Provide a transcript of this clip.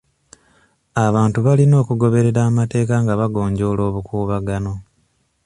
Abantu balina okugoberera amateeka nga bagonjoola obukuubagano..